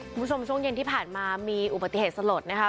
คุณผู้ชมช่วงเย็นที่ผ่านมามีอุบัติเหตุสลดนะคะ